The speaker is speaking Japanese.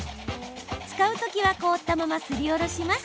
使う時は凍ったまますりおろします。